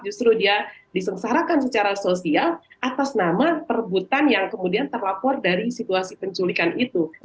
justru dia disengsarakan secara sosial atas nama perebutan yang kemudian terlapor dari situasi penculikan itu